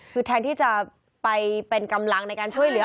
คือแทนที่จะไปเป็นกำลังในการช่วยเหลือ